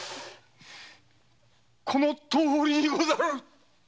このとおりにござる。